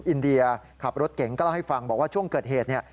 อินเดียขับรถเก่งก็เล่าให้ฟังบอกว่าช่วงเกิดเหตุเนี่ย